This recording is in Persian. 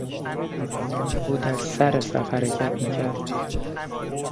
او در سر صف حرکت میکرد.